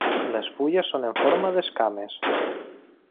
Les fulles són en forma d'esquames.